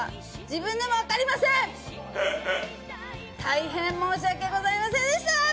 大変申し訳ございませんでした！